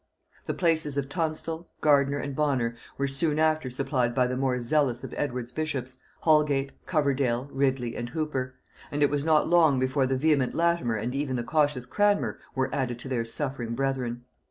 The places of Tonstal, Gardiner, and Bonner, were soon after supplied by the more zealous of Edward's bishops, Holgate, Coverdale, Ridley, and Hooper; and it was not long before the vehement Latimer and even the cautious Cranmer were added to their suffering brethren.